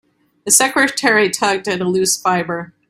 The secretary tugged at a loose fibre.